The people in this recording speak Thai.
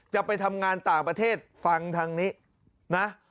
จะไปทำงานต่างประเทศฟังทางนี้นะ